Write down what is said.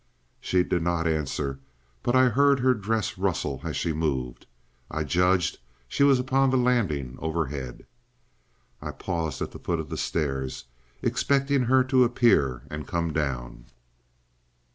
She did not answer, but I heard her dress rustle as she moved. I Judged she was upon the landing overhead. I paused at the foot of the stairs, expecting her to appear and come down.